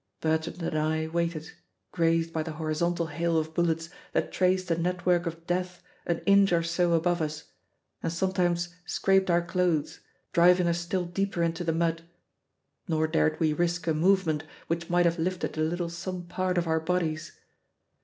Bertrand and I waited, grazed by the horizontal hail of bullets that traced a network of death an inch or so above us and sometimes scraped our clothes, driving us still deeper into the mud, nor dared we risk a movement which might have lifted a little some part of our bodies.